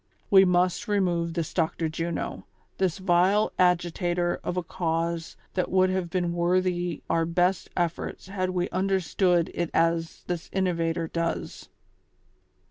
We must remove this Dr. Juno ; this vile agitator of a cause that would have been worthy our best efforts had we understood it as this innovator does."